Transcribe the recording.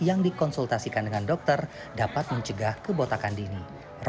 yang dikonsultasikan dengan dokter dapat mencegah kebotakan dini